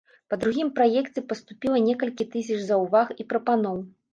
Па другім праекце паступіла некалькі тысяч заўваг і прапаноў.